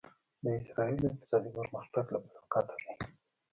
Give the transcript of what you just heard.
د اسرایلو اقتصادي پرمختګ له برکته دی.